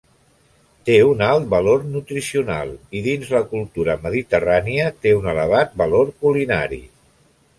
Té un alt valor nutricional i, dins la cultura mediterrània, té un elevat valor culinari.